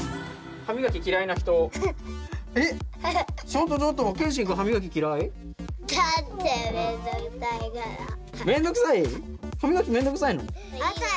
歯みがきめんどくさいの？